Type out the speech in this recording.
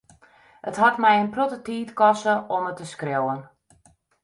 It hat my in protte tiid koste om it te skriuwen.